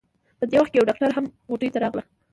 په دې وخت کې يوه ډاکټره هم کوټې ته راغله.